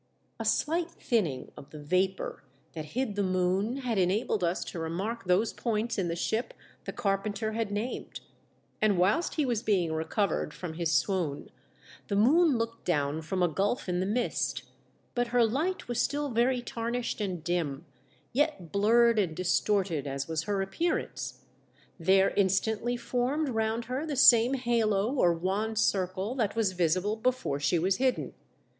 A slight thinning of the vapour that hid the moon had enabled us to remark those points in the ship the carpenter had named ; and whilst he was being recovered from his swoon, the moon looked down from a gulf in the mist, but her light was still very tarnished and dim ; yet blurred and distorted as was her appearance, there instantly formed round her the same halo or wan circle that was visible before she was hidden.